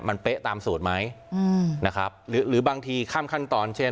มันเป๊ะตามสูตรไหมอืมนะครับหรือบางทีข้ามขั้นตอนเช่น